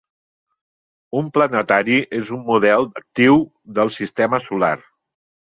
Un planetari és un model actiu del sistema solar.